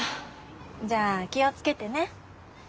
じゃあ気を付けてね。